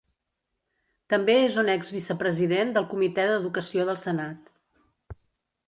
També és un ex vicepresident del Comitè d'Educació del Senat.